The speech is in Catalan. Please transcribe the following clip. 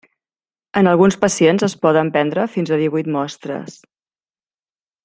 En alguns pacients es poden prendre fins a divuit mostres.